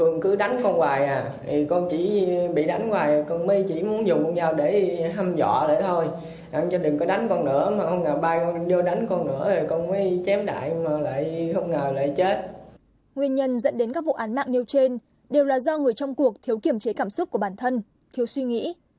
nguyên nhân dẫn đến các vụ án mạng nêu trên đều là do người trong cuộc thiếu kiểm chế cảm xúc của bản thân thiếu suy nghĩ